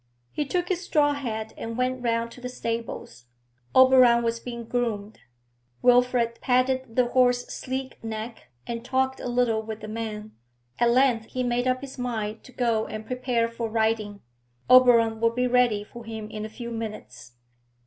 He took his straw hat and went round to the stables. Oberon was being groomed. Wilfrid patted the horse's sleek neck, and talked a little with the man. At length he made up his mind to go and prepare for riding; Oberon would be ready for him in a few minutes.